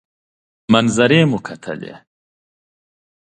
منظرې مو کتلې.